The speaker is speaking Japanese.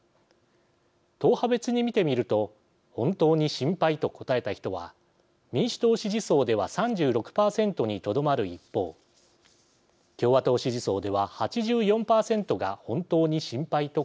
党派別に見てみると本当に心配と答えた人は民主党支持層では３６％にとどまる一方共和党支持層では８４％が本当に心配と答えました。